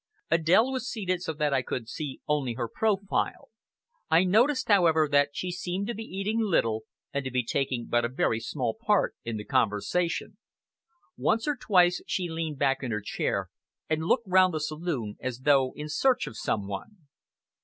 Adèle was seated so that I could see only her profile. I noticed, however, that she seemed to be eating little, and to be taking but a very small part in the conversation. Once or twice she leaned back in her chair, and looked round the saloon as though in search of some one.